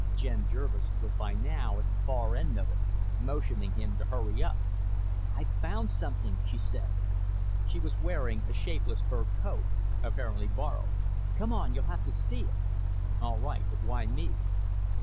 Jen Jervis was by now at the far end of it, motioning him to hurry up. "I've found something," she said. She was wearing a shapeless fur coat, apparently borrowed. "Come on. You'll have to see it." "All right, but why me?"